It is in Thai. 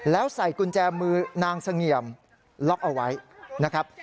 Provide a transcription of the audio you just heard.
แล้วใส่กุญแจมือนางเสงี่ยมล็อกเอาไว้นะครับ